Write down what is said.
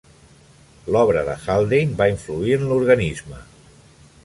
L'obra de Haldane va influir en l'organisme.